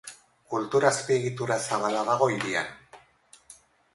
Kultur azpiegitura zabala dago hirian.